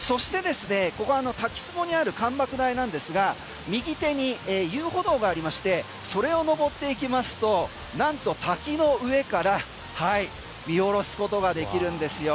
そしてですね、ここは滝つぼにある観瀑台なんですが右手に遊歩道がありましてそれを登っていきますと何と滝上から見下ろすことができるんですよ。